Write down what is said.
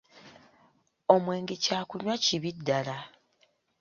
Omwenge kyakunywa kibi ddala.